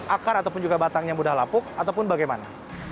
akar ataupun juga batangnya mudah lapuk ataupun bagaimana